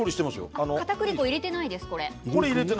これはかたくり粉を入れていないです。